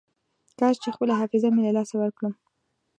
کاش چې خپله حافظه مې له لاسه ورکړم.